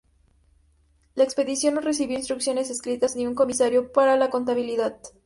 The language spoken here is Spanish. La expedición no recibió instrucciones escritas ni un comisario para la contabilidad.